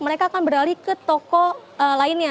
mereka akan beralih ke toko lainnya